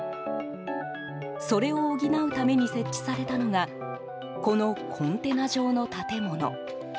それを補うために設置されたのがこの、コンテナ状の建物。